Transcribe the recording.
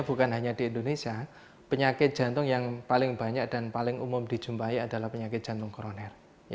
bukan hanya di indonesia penyakit jantung yang paling banyak dan paling umum dijumpai adalah penyakit jantung koroner